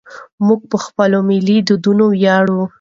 موږ په خپلو ملي دودونو ویاړو.